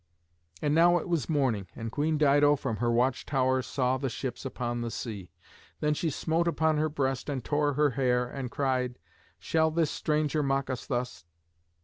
And now it was morning, and Queen Dido, from her watch tower, saw the ships upon the sea. Then she smote upon her breast and tore her hair, and cried, "Shall this stranger mock us thus?